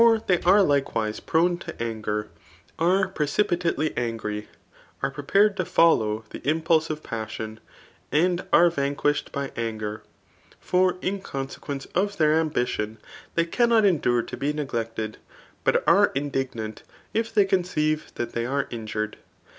They are likewise prone to are precipitately angry, are prepared to follow the pulse of passion, and are vanquished by anger. For in consequence of their ambition they cannot endure to be neglected, but are indignant if they conceive that tliey are injured.